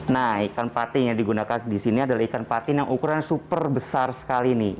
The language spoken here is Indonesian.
nah ikan patin yang digunakan di sini adalah ikan patin yang ukuran super besar sekali nih